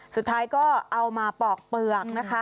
สุดท้ายก็เอามาปอกเปลือกนะคะ